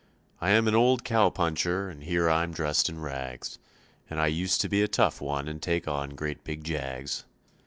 I am an old cow puncher and here I'm dressed in rags, And I used to be a tough one and take on great big jags.